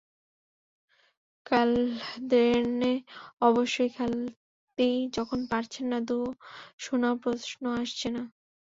ক্যালদেরনে অবশ্য খেলতেই যখন পারছেন না, দুয়ো শোনারও প্রশ্ন আসছে না।